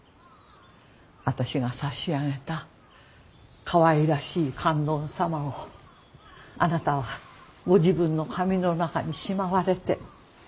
私が差し上げたかわいらしい観音様をあなたはご自分の髪の中にしまわれて。